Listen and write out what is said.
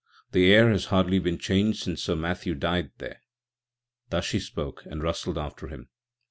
The air has hardly been changed since Sir Matthew died there." Thus she spoke, and rustled after him.